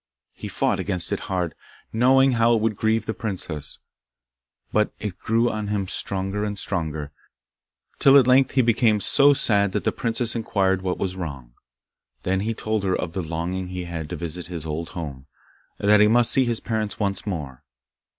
He fought against it hard, knowing how it would grieve the princess, but it grew on him stronger and stronger, till at length he became so sad that the princess inquired what was wrong. Then he told her of the longing he had to visit his old home, and that he must see his parents once more.